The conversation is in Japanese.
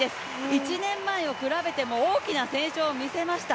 １年前と比べても大きな成長を見せました。